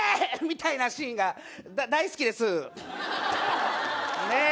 みたいなシーンが大好きですねえ